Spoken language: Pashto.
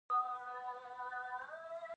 ټوله شپه مې د پښتو لپاره کار وکړ.